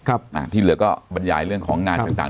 ที่เหลือก็บรรยายเรื่องของงานต่างต่าง